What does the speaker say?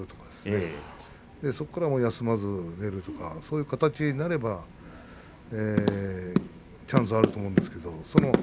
そこから、休まず出るそういう形になればチャンスはあると思いますよ。